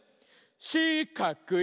しかくい！